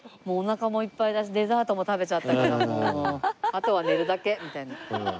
もうおなかもいっぱいだしデザートも食べちゃったからもうあとは寝るだけみたいな。